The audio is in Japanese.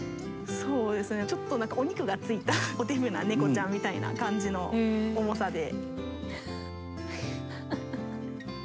そうですねちょっと何かお肉がついたおデブな猫ちゃんみたいな感じの重さで。